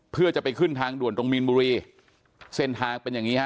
เพื่อจะไปขึ้นทางด่วนตรงมีนบุรีเส้นทางเป็นอย่างงี้ฮะ